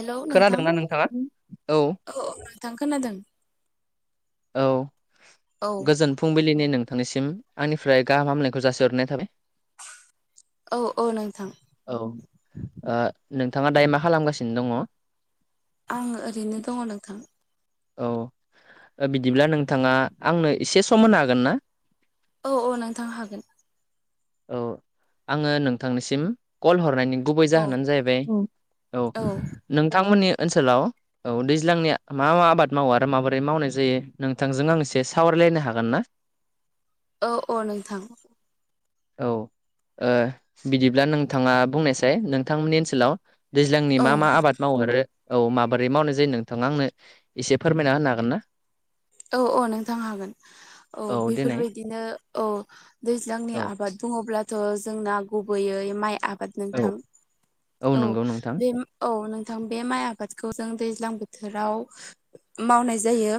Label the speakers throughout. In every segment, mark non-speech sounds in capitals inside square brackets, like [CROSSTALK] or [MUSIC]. Speaker 1: Hello नोंथां
Speaker 2: खोनादोंना नोंथाङा?
Speaker 1: औ औ नोंथां खोनादों।
Speaker 2: औ
Speaker 1: औ
Speaker 2: गोजोन फुंबिलिनि नों थांनिसिम आंनिफ्राय गाहामनायखौ जासोहरनाय थाबाय।
Speaker 1: औ औ नोंथां
Speaker 2: औ आ नोंथाङा दायो मा खालामगासिनो दङ?
Speaker 1: आं ओरैनो दङ नोंथां।
Speaker 2: औ बिदिब्ला नोंथाङा आंनो एसे सम होनो हागोन ना?
Speaker 1: औ औ नोंथां हागोन।
Speaker 2: औ आङो नोंथांनिसिम कल हरनायनि गुबै
Speaker 1: औ
Speaker 2: जाहोनानो जाहैबाय औ नोंथांमोननि ओनसोलाव औ दैज्लांनि मा मा आबाद मावा आरो माबोरै मावनाय जायो नोंथांजों आं एसे सावरायलायनो हागोन ना?
Speaker 1: औ औ नोंथां
Speaker 2: औ ओ बिदिब्ला नोंथाङा बुंनायसै नोंथांमोननि ओनसोलाव दैज्लांनि
Speaker 1: औ
Speaker 2: मा मा आबाद मावो आरो औ माबोरै मावनाय जायो नोंथांङा आंनो एसे फोरमायना होनो हागोन ना
Speaker 1: औ औ नोंथां हागोन औ बेफोरबायदिनो औ दैज्लांनि
Speaker 2: औ
Speaker 1: आबाद बुङोब्लाथ' जोंना गुबैयै माइ आ बाद नोंथां
Speaker 2: औ
Speaker 1: औ
Speaker 2: नंगौ नोंथां
Speaker 1: बे औ नोंथां बे माइ आबादखौ जों दैज्लां बोथोराव मावनाय जायो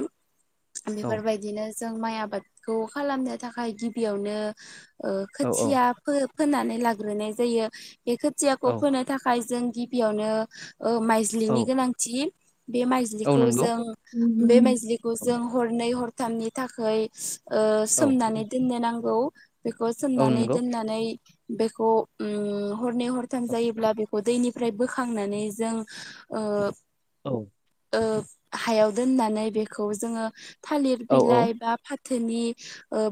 Speaker 2: औ
Speaker 1: बेफोरबायदिनो जों माइ आबादखौ खालामनो थाखाय गिबियावनो
Speaker 2: औ
Speaker 1: खोथिया फोननानै लाग्रोनाय जायो बे खोथियाखौ
Speaker 2: औ
Speaker 1: फोनो थाखाय जों गिबियावनो
Speaker 2: औ
Speaker 1: माइज्लिनि गोनांथि बे
Speaker 2: औ
Speaker 1: माइज्लिखौ
Speaker 2: नंगौ
Speaker 1: जों बे माइज्लिखौ जों हरनै हरथामनि थाखाय ओ
Speaker 2: औ
Speaker 1: सोमनानै दोननो नांगौ बेखौ
Speaker 2: औ
Speaker 1: सोमनानै
Speaker 2: नंगौ
Speaker 1: दोननानै बेखौ हरनै हरथाम
Speaker 2: औ
Speaker 1: जायोब्ला बे दैनिफ्राय बोखांनानै जों ओ
Speaker 2: औ
Speaker 1: ओ हायाव दोननानै बेखौ जोङो थालिर
Speaker 2: औ
Speaker 1: बिलाइ बा फाथोनि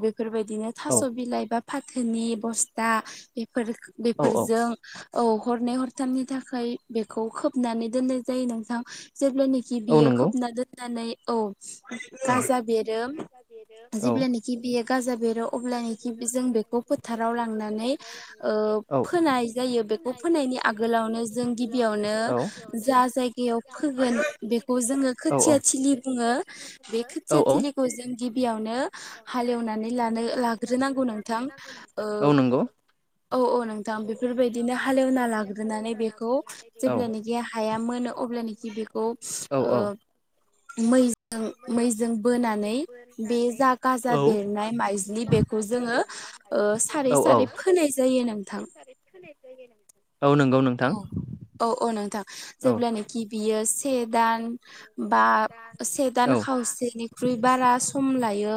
Speaker 1: बेफोरबायदिनो थास' बिलाइ बा फाथोनि बस्था
Speaker 2: औ औ
Speaker 1: बेफोरजों औ हरनै हरथारनि थाखाय बेखौ खोबनानै दोननाय जायो नोंथां जेब्लानिखि
Speaker 2: औ
Speaker 1: बियो
Speaker 2: नंगौ
Speaker 1: खोबना दोननानै औ
Speaker 2: औ
Speaker 1: गाजा बेरो
Speaker 2: औ
Speaker 1: जेब्लानाखि बेयो गाजा बेरो अब्ला जों बेखौ फोथाराव लांनानै ओ
Speaker 2: औ
Speaker 1: फोनाय जायो बेखौ
Speaker 2: फोनाय
Speaker 1: फो नायनि
Speaker 2: जायो बेखौ
Speaker 1: आगोलावनो
Speaker 2: फोनायनि
Speaker 1: जों
Speaker 2: आगोलावनो
Speaker 1: गिबियावनो
Speaker 2: जों
Speaker 1: जा
Speaker 2: गिबियावनो
Speaker 1: जायगायाव फोगोन बेखौ जोङो खो
Speaker 2: औ
Speaker 1: थिया थिलि बुङो बे
Speaker 2: औ
Speaker 1: खोथिया
Speaker 2: औ औ
Speaker 1: थिलिखौ जों गिबियावनो हालेवनानै लाग्रोनांगौ नोंथां ओ
Speaker 2: औ नंगौ
Speaker 1: औ औ नोंथां बेफोरबायदिनो हालेवना लाग्रोनानै बेखौ जेब्लानाखि हायामोन अब्लानोखि बेखौ
Speaker 2: औ
Speaker 1: ओ मै मै जों बोनानै बे जा गाजा
Speaker 2: औ
Speaker 1: बेरनाय बि बेखौ जोङो ओ सारै सारै फोनाय जायो नोंथां
Speaker 2: औ नंगौ नोंथां
Speaker 1: जेब्लानाखि बियो से दान बा से दान
Speaker 2: औ
Speaker 1: खावसेनिख्रुइ बारा सम लायो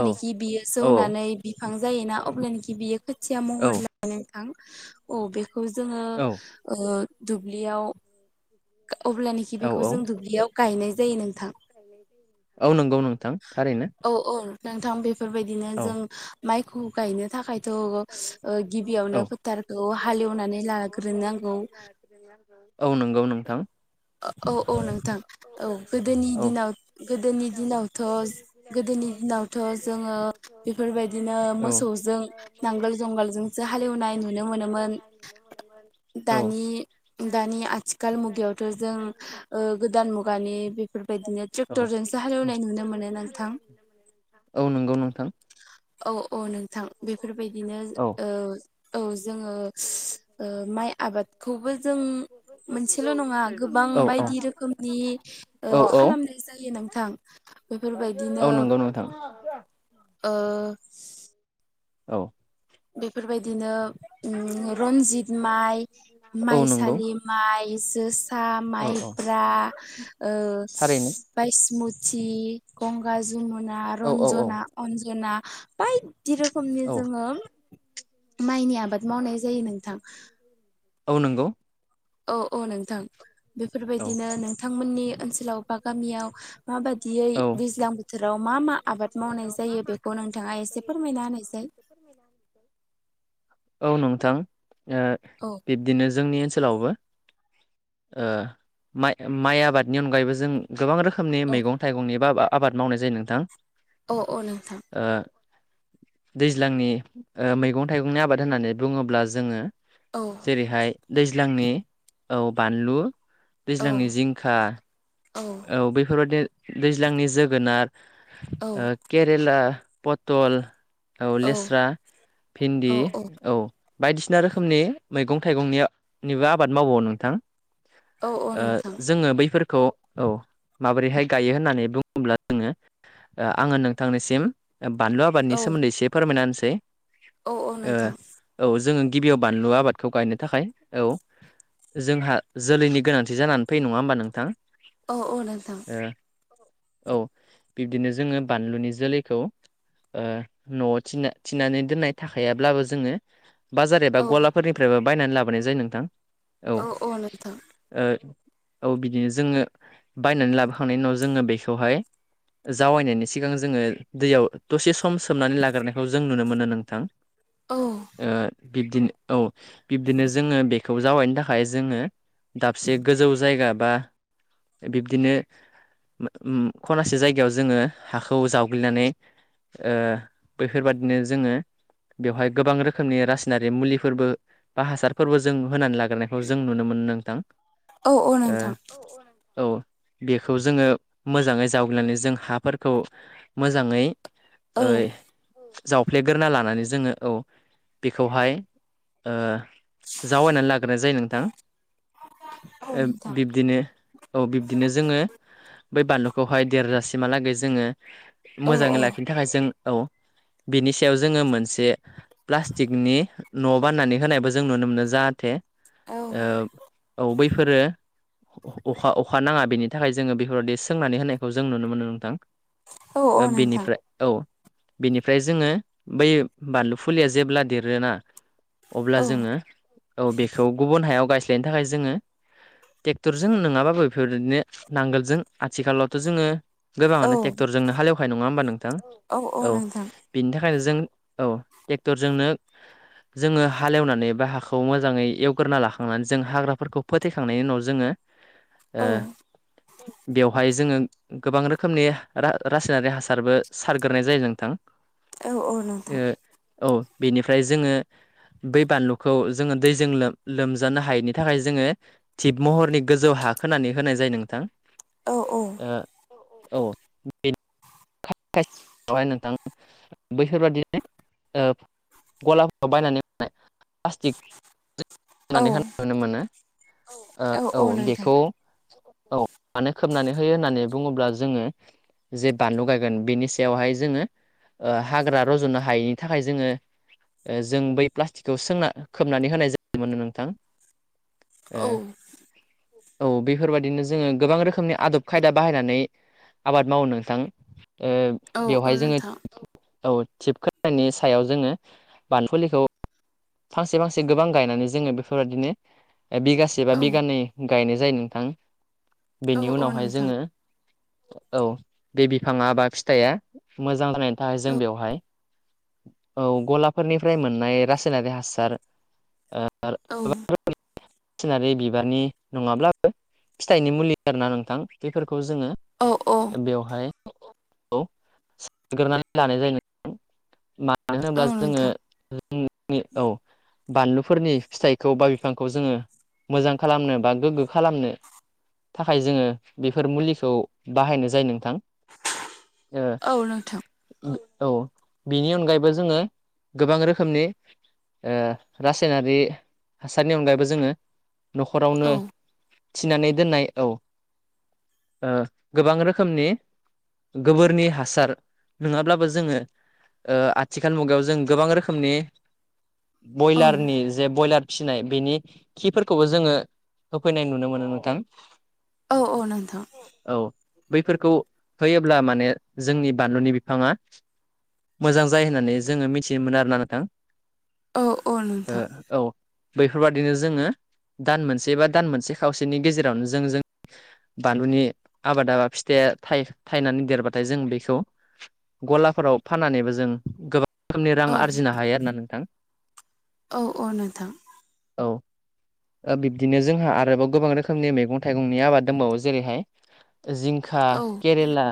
Speaker 2: औ
Speaker 1: बियो
Speaker 2: औ
Speaker 1: जौनानै बिफां जायोना अब्लानोखि बियो खोथिया
Speaker 2: औ
Speaker 1: महर लायो नोंथां औ बेखौ जोङो
Speaker 2: औ
Speaker 1: ओ दुब्लियाव अब्लानोखि
Speaker 2: औ
Speaker 1: बेखौ
Speaker 2: औ
Speaker 1: जों दुब्लियाव गायनाय जायो नों
Speaker 2: औ नंगौ नोंथां थारैनो
Speaker 1: औ औ नोंथां बेफोरबायदिनो
Speaker 2: औ
Speaker 1: जों माइखौ गायनो थाखायथ' गिबियावनो
Speaker 2: औ
Speaker 1: फोथारखौ हालेवनानै लाग्रोनांगौ
Speaker 2: औ नंगौ नोंथां
Speaker 1: औ औ नोंथां औ गोदोनि
Speaker 2: औ
Speaker 1: दिनाव गोदोनि दिनावथ' गोदोनि दिनावथ' जोङो बेफोरबायदिनो मोसौ
Speaker 2: बिदिनो मोसौजों नांगोल
Speaker 1: नुनो
Speaker 2: जुंगालजोंसो
Speaker 1: मोनोमोन
Speaker 2: हालेवनाय नुनो मोनोमोन औ
Speaker 1: दानि दानि आथिखाल मुगायावथ' जों ओ गोदान मुगानि बेफोरबायदिनो ट्रेक्टरजोंसो हालेवनाय नुनो मोनो नोंथां
Speaker 2: औ नंगौ नोंथां
Speaker 1: औ औ नों बेफोरबायदिनो औ औ जोङो माइ आबादखौबो जों मोनसेल' नङा गोबां
Speaker 2: नंगौ नोंथां। अ नोंथां। औ
Speaker 1: बायदि रोखोमनि
Speaker 2: औ औ
Speaker 1: खालामनाय जायो नोंथां
Speaker 2: औ
Speaker 1: बेफोरबायदिनो
Speaker 2: नोंगौ नोंथां।
Speaker 1: ओ
Speaker 2: औ
Speaker 1: बेफोरबायदिनो उम रनजित माइ
Speaker 2: औ नंगौ
Speaker 1: माइसालि माइ जोस सा
Speaker 2: औ औ
Speaker 1: माइब्रा ओ
Speaker 2: थारैनो
Speaker 1: बायस्मु थि गंगा जमुना
Speaker 2: औ औ औ
Speaker 1: रन्जना अन्जना बाय दि रोखोमनि
Speaker 2: औ
Speaker 1: जोङो माइनि आबाद मावनाय जायो नोंथां।
Speaker 2: औ नोंगौ।
Speaker 1: औ औ नोंथां
Speaker 2: औ
Speaker 1: बेफोरबायदिनो नोंथांमोननि ओनसोलाव बा गामियाव माबायदियै दैज्लां बोथोराव मा मा
Speaker 2: दैज्लां
Speaker 1: आबाद मावनाय
Speaker 2: बोथोराव मा
Speaker 1: जायो
Speaker 2: मा
Speaker 1: बेखौ
Speaker 2: आबाद
Speaker 1: नोंथाङा
Speaker 2: मावनाय
Speaker 1: एसे
Speaker 2: जायो बेखौ
Speaker 1: फोरमायना
Speaker 2: नोंथाङा
Speaker 1: होनायसाय
Speaker 2: एसे फोरमायनो [INAUDIBLE] औ नोंथां ओ
Speaker 1: औ
Speaker 2: बिब्दिनो जोंनि ओनसोलावबो। ओ माइ आबादनि अनगायैबो जों गोबां रो खोमनि
Speaker 1: औ
Speaker 2: मैगं थाइंनि बा आबाद मावनाय जायो नोंथां।
Speaker 1: अ अ नोंथां।
Speaker 2: ओ दैज्लांनि ओ मैगं थाइगंनि आबाद होननानै बुङोब्ला जोङो।
Speaker 1: औ
Speaker 2: जेरैहाय दैज्लांनि औ बानलु
Speaker 1: औ
Speaker 2: दैज्लांनि जिंखा औ बेफोरबायदि दैज्लांनि जोगोनार
Speaker 1: औ
Speaker 2: ओ केरेला पतल औ लेस्रा भिन्दि औ बायदिसिना रोखोमनि मैगं थाइगंनि निबो आबाद मावो नोंथां।
Speaker 1: औ औ
Speaker 2: ओ
Speaker 1: नोंथां
Speaker 2: जोङो बैफोरखौ औ माबोरैहाय गायो होननानै बुङोब्ला जोङो ओ आङो नोंथांनिसिम ओ बानलु आबादनि
Speaker 1: औ
Speaker 2: सोमोन्दै एसे फोरमायना होनसै
Speaker 1: औ औ
Speaker 2: ओ
Speaker 1: नोंथां
Speaker 2: औ जोङो गिबियाव बानलु आबादखौ गायनो थाखाय औ जोंहा जोलैनि गोनांथि जानानै फैयो नङा होमबा नोंथां?
Speaker 1: अ अ नोंथां।
Speaker 2: ओ औ बिब्दिनो जोङो बानलुनि जोलैखौ ओ न'आव थिना थिनानै दोननाय थाखायाब्लाबो जोङो बाजार
Speaker 1: औ
Speaker 2: एबा गलाफोरनिफ्रायबो बायनानै लाबोनाय जायो नोंथां।
Speaker 1: औ नोंथां
Speaker 2: औ। औ बिदिनो जोङो बायनानै लाबोखांनायनि उनाव जोङो बेखौहाय जावायनायनि सिगां जोङो दैयाव दसे सम सोमनानै लाग्रोननायखौ जों नुनो मोनो नोंथां।
Speaker 1: औ
Speaker 2: ओ बिबदिनो औ बिब्दिनो जोङो बेखौ जावायनो थाखाय जोङो दाबसे गोजौ जायगा बा बिब्दिनो उम उम खनासे जायगायाव जोङो हाखौ जावग्लिनानै ओ बैफोरबादिनो जोङो बेवहाय गोबां रोखोमनि रासायनारि मुलिफोरबो बा हासारफोरबो जों होनानै लाग्रोनायखौ जों नुनो मो नोंथां।
Speaker 1: औ औ नोंथां।
Speaker 2: ओ औ बेखौ जोङो मोजाङै जावग्लिनानै जों हाफोरखौ मोजाङै
Speaker 1: औ
Speaker 2: ओइ जावफ्लेगोरना लानानै जोङो औ बेखौहाय ओ जावायनानै लाग्रोनाय जायो नोंथां
Speaker 1: औ
Speaker 2: ओ
Speaker 1: नोंथां
Speaker 2: बिब्दिनो बिबदिनो जोङो बै बानलुखौहाय देरजासिमहालागै जोङो
Speaker 1: औ
Speaker 2: मोजाङै लाखिनो थाखाय जों औ बिनि सायाव जोङो मोनसे प्लास्टिकनि न' बान्नानै होनायबो जों नुनो मोनो जाहाथे
Speaker 1: औ
Speaker 2: ओ औ बैफोरो अखा अखा नाङा बेनि थाखाय जोङो बेफोरबायदि सोंनानै होनायखौ जों नुनो मोनो नोंथां‌।
Speaker 1: औ औ नोंथां
Speaker 2: बेनिफ्राय औ। बेनिफ्राय जोङो बै बानलु फुलिया जेब्ला देरोना अब्ला
Speaker 1: औ
Speaker 2: जोङो औ बेखौ गुबुन हायाव गायस्लायनो थाखाय जोङो ट्रेक्टर जों नङाबाबो बेफोरदिनो नांगोलजों आथिखालावथ' जोङो
Speaker 1: औ
Speaker 2: गोबाङानो ट्रेक्टरजोंनो हालेवखायो नङा होमबा नोंथां? औ बेनि थाखाय जों औ ट्रेक्टरजोंनो जोङो हालेवनानै बा हाखौ मोजाङै एवग्रोना लाखांनानै जों हाग्राफोरखौ फोथैखांनायनि उनाव जोङो
Speaker 1: औ
Speaker 2: ओ बेवहाय जोङो गोबां रोखोमनि रासायनारि हासारबो सारग्रोनाय जायो नोंथां।
Speaker 1: औ औ नोंथां।
Speaker 2: ओ औ बेनिफ्राय जोङो बै बानलुखौ जोङो दैजों लोम-लोमजानो हायैनि थाखाय जोङो थिब महरनि गोजौ हा खोनानै होनाय जायो नोंथां।
Speaker 1: औ औ
Speaker 2: औ बे यावहाय नोंथां बैफोरबादिनो गलाफोराव बायनानै मोननाय प्लासटिक
Speaker 1: औ
Speaker 2: होननानै होनाय नुनो मोनो औ बेखौ औ मानो खोबनानै होयो होननानै बुङोब्ला जोङो जे बानलु गायगोन बेनि सा यावहाय जोङो ओ हाग्रा रज'नो हायैनि थाखाय जोङो जों बै प्लास्टिकखौ सोंना खोबनानै होनाय जायोमोननो नोंथां। ओ
Speaker 1: औ
Speaker 2: औ बेफोरबायदिनो जोङो गोबां रोखोमनि आदब खायदा बाहायनानै आबाद मावो नोंथां ओ
Speaker 1: औ औ
Speaker 2: बेवहाय जोङो
Speaker 1: नोंथां
Speaker 2: औ थिबखानि सायाव जोङो बानलु फुलिखौ फांसे फांसे गोबां गायनानै जोङो बेफोरबायदिनो बिगासे बा
Speaker 1: औ
Speaker 2: बिगानै गायनाय जायो नोंथां
Speaker 1: औ
Speaker 2: बेनि
Speaker 1: औ
Speaker 2: उनावहाय
Speaker 1: नोंथां
Speaker 2: जोङो औ बे बिफाङा बा फिथाइआ मोजां जानायनि थाखाय जों
Speaker 1: औ
Speaker 2: बेवहाय औ गलाफोरनिफ्राय मोननाय रासायनारि हासार ओ
Speaker 1: औ
Speaker 2: सिनारि बिबारनि नङाब्लाबो फिथाइनि मुलि आरोना नोंथां बिफोरखौ खौ जोङो
Speaker 1: औ औ
Speaker 2: ओ बेवहाय [INAUDIBLE] सग्रानै लानाय जायो ऩंथां मानो
Speaker 1: औ
Speaker 2: होनोब्ला
Speaker 1: नोंथां
Speaker 2: जोङो [UNINTELLIGIBLE] औ बानलुफोरनि फिथाइखौ बा बिफांखौ जोङो मोजां खालामनो बा गोग्गो खालामनो थाखाय जोङो बेफोर मुलिखौ बाहायनाय जायो नोंथां। ओ
Speaker 1: औ नोंथां
Speaker 2: उम औ बिनि अनगायैबो जोङो गोबां रोखोमनि ओ रासायनारि हासारनि अनगायैबो जोङो न'खरावनो
Speaker 1: औ
Speaker 2: थिनानै दोननाय औ ओ गोबां रोखोमनि गोबोरनि हासार नङाब्लाबो जोङो ओ आथिखाल मुगायाव जों गोबां रोखोमनि
Speaker 1: औ
Speaker 2: बयलारनि जे बयलार फिसिनाय बेनि खिफोरखौबो जोङो होफैनाय नुनो मोनो नोंथां।
Speaker 1: औ औ नोंथां।
Speaker 2: औ बैफोरखौ होयोब्ला माने जोंनि बानलुनि बिफाङा मोजां जायो होननानै जोङो मिथिनो मोनो आरोना नोंथां।
Speaker 1: औ औ
Speaker 2: ओ
Speaker 1: नोंथां
Speaker 2: औ बैफोर बादिनो जोङो दान मोनसे बा दान मोनसे खावसेनि गेजेरावनो जों जोंनि बानलुनि आबादा बा फिथाइया थायनानै देरबाथाय जों बेखौ गलाफोराव फाननानैबो जों गोबां रोखोमनि रां
Speaker 1: औ
Speaker 2: आरजिनो हायो आरोना नोंथां।
Speaker 1: औ नोंथां औ औ नोंथां
Speaker 2: औ। ओ बिब्दिनो जोंहा आरोबाव गोबां रोखोमनि मैगं थाइगंनि आबाद दंबावो जेरैहाय जिंखा केरेला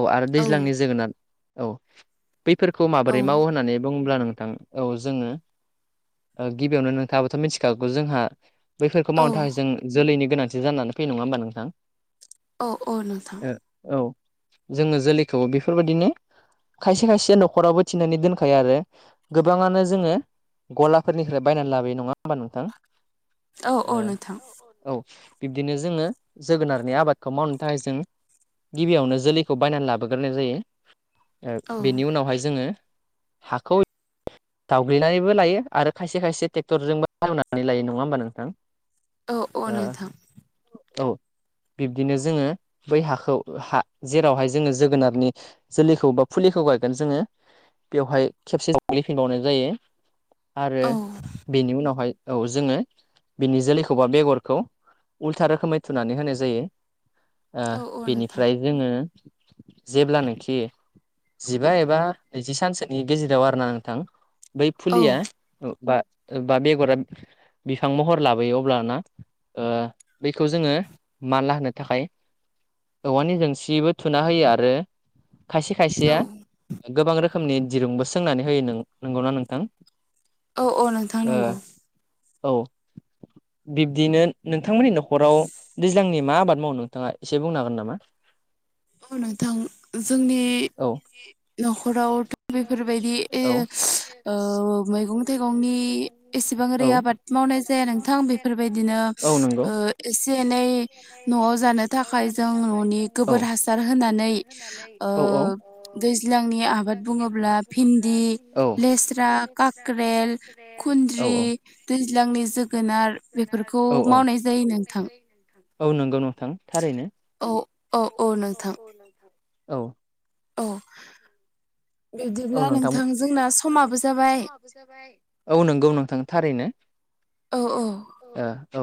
Speaker 2: औ आरो दैज्लांनि जोगोनार औ बैफोरखौ माबोरै मावो होननानै बुं ब्ला नोंथां औ जोङो ओ गिबियावनो नोंथाङाबोथ' मिथिखागौ जोंहा बैफोरखौ मावनो थाखाय जों जोलैनि गोनांथि जानानै फैनाय नङा होमबा नोंथां?
Speaker 1: औ औ नोंथां
Speaker 2: ओ औ जोङो जोलैखौ बेफोर बादिनो खायसे खायसे न'खरावबो थिनानै दोनखायो आरो गोबाङानो जोङो गलाफोरनिफ्राय बायनानै लाबोयो नङा होमबा नोंथां
Speaker 1: औ औ नोंथां औ
Speaker 2: ए औ बिब्दिनो जोङो जोगोनारनि आबादखौ मावनो थाखाय जों गिबियावनो जोलैखौ बायनानै लाबोग्रोनाय जायो बेनि
Speaker 1: औ
Speaker 2: उनावहाय जोङो हाखौ जावग्लिनानैबो लायो आरो खायसे खायसे ट्रेक्टरजोंबो [INAUDIBLE] मावनानै लायो नङा होमबा नोंथां?
Speaker 1: औ अ
Speaker 2: ओ
Speaker 1: नोंथां।
Speaker 2: [INAUDIBLE] बिब्दिनो जोङो बै हाखौ हा जेरावहाय जोङो जोगोनारनि जोलैखौ बा फुलिखौ गाय जोङो बेवहाय खेबसे [INAUDIBLE] फिबावनाय जायो आरो बेनि उनावहाय औ जोङो बिनि जोलैखौ बा बेगरखौ उल्था रोखोमै थुनानै होनाय जायो। ओ बेनिफ्राय जोङो जेब्लानोखि जिबा एबा नैजि सानसोनि गेजेराव आर ना नो थां बै
Speaker 1: औ
Speaker 2: फुलिया। औ बा ओ बा बेगरा बिफां महर लाबोयो अब्लाना बेखौ जोङो माला होनो थाखाय औवानि जोंसिबो थुना होयो आरो। खायसे
Speaker 1: औ
Speaker 2: खायसेया गोबां रोखोमनि दिरुंबो सोंनानै होयो नोंगौना नोंथां।
Speaker 1: औ औ नोंथां
Speaker 2: ओ
Speaker 1: नंगौ
Speaker 2: औ बिब्दिनो नोंथांमोननि न'खराव दैज्लांनि मा आबाद मावो नोंथाङा एसे बुंनो हागोन नामा?
Speaker 1: औ नोंथां जोंनि
Speaker 2: औ
Speaker 1: न'खराव
Speaker 2: औ
Speaker 1: ओ मैगं थाइगंनि एसेबां ओरै
Speaker 2: औ
Speaker 1: आबाद मावनाय जाया नोंथां बेफोरबायदिनो
Speaker 2: औ नंगौ
Speaker 1: एसे एनै न'आव जानो थाखाय जों ननि गोबोर हासार होनानै ओ
Speaker 2: औ
Speaker 1: दै नि आबाद बुङोब्ला भिन्दि
Speaker 2: औ
Speaker 1: लेस्रा काक्रेल
Speaker 2: औ
Speaker 1: खुन्द्रि दैज्लांनि जोगोनार बेफोरखौ
Speaker 2: औ औ
Speaker 1: मावनाय जायो नोंथां।
Speaker 2: औ नंगौ नों
Speaker 1: औ औ औ नोंथां
Speaker 2: औ
Speaker 1: औ
Speaker 2: औ
Speaker 1: बिब्दिब्ला
Speaker 2: नोंथां
Speaker 1: जोंना समाबो जाबाय
Speaker 2: सम जाबाय औ नंगौ नोंथां थारैनो।
Speaker 1: औ औ
Speaker 2: ओ औ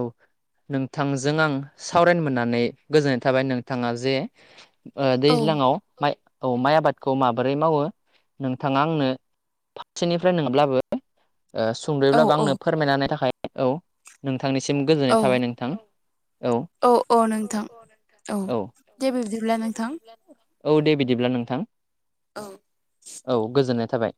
Speaker 2: नोंथांजों आं सावरायनो मोननानै गोजोननाय थाबाय नोंथाङा जे
Speaker 1: औ
Speaker 2: दैज्लाङाव माइ औ माइ आबादखौ माबोरै मावो? नोंथाङा आंनो फारसेनिफ्राय नङाब्लाबो ओ
Speaker 1: औ
Speaker 2: सुंद'यब्लाबो आंनो
Speaker 1: औ
Speaker 2: फोरमायनानै थाखाय औ नोंथांनिसिम गोजोननाय
Speaker 1: औ
Speaker 2: थाबाय नोंथां। औ औ औ
Speaker 1: दे बिब्दिब्ला
Speaker 2: दे
Speaker 1: नोंथां
Speaker 2: बिदिब्ला नोंथां।
Speaker 1: औ
Speaker 2: औ गोजोननाय थाबाय।